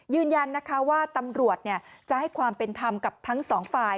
ยืนยันนะคะว่าตำรวจจะให้ความเป็นธรรมกับทั้งสองฝ่าย